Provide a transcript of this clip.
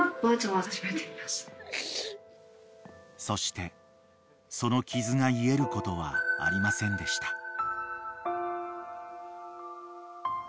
［そしてその傷が癒えることはありませんでした］